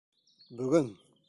Бөгөн!